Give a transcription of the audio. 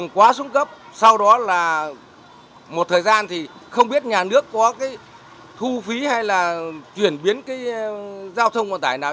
quá xuống cấp sau đó là một thời gian thì không biết nhà nước có cái thu phí hay là chuyển biến cái giao thông vận tải nào